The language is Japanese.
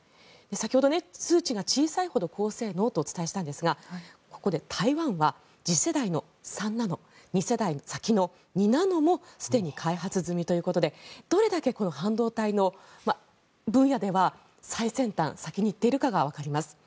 先ほど数値が小さいほど高性能とお伝えしたんですがここで台湾は次世代の３ナノ２世代先の２ナノもすでに開発済みということでどれだけこの半導体の分野では最先端、先に行っているかがわかります。